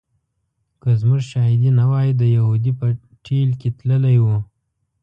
که زموږ شاهدي نه وای د یهودي په ټېل کې تللی و.